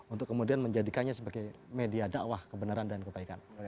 untuk kemudian menjadikannya sebagai media dakwah kebenaran dan kebaikan